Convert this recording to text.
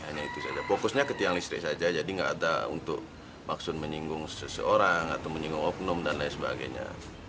hanya itu saja fokusnya ke tiang listrik saja jadi nggak ada untuk maksud menyinggung seseorang atau menyinggung oknum dan lain sebagainya